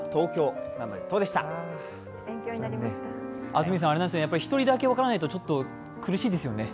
安住さん、１人だけ分からないと、ちょっと苦しいですよね？